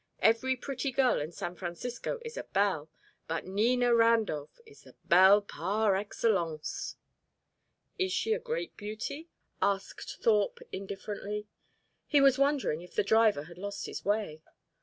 Every pretty girl in San Francisco is a belle, but Nina Randolph is the belle par excellence." "Is she a great beauty?" asked Thorpe, indifferently. He was wondering if the driver had lost his way.